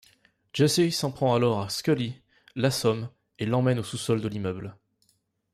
Jerse s'en prend alors à Scully, l'assomme et l'emmène au sous-sol de l'immeuble.